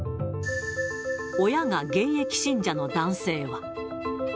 親が現役信者の男性は。